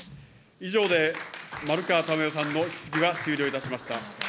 以上で、丸川珠代さんの質疑が終了いたしました。